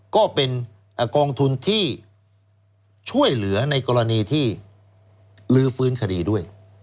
ก็เป็นกองทุนที่ช่วยเหลือในกรณีที่ลื้อฟื้นคดีด้วย